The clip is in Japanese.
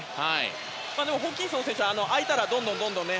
ホーキンソン選手は空いたらどんどんね。